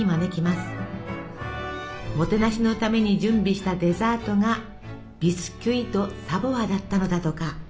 もてなしのために準備したデザートがビスキュイ・ド・サヴォワだったのだとか。